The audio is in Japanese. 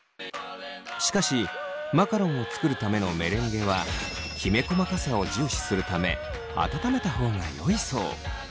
しかしマカロンを作るためのメレンゲはきめ細かさを重視するため温めた方がよいそう。